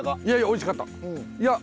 いやおいしかった！